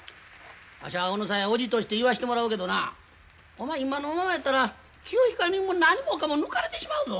わしはこの際叔父として言わしてもらうけどなお前今のままやったら清彦に何もかも抜かれてしまうぞ。